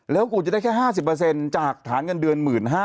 แล้วกูจะได้แค่๕๐จากฐานเงินเดือน๑๕๐๐